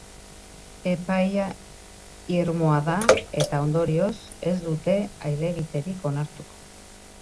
Epaia irmoa da eta, ondorioz, ez dute helegiterik onartuko.